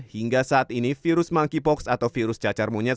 hingga saat ini virus monkeypox atau virus cacar monyet